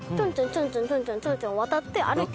ちょんちょんちょんちょん渡って歩いて。